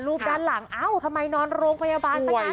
ด้านหลังเอ้าทำไมนอนโรงพยาบาลซะงั้น